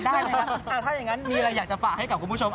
ถ้าอย่างนั้นมีอะไรอยากจะฝากให้กับคุณผู้ชม